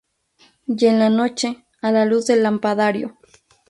Y en la noche, a la luz del lampadario.